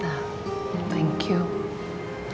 nah terima kasih